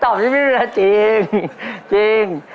ตอบที่ไม่รู้นะจริงจริง